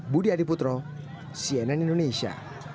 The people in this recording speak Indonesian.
budi adiputro cnn indonesia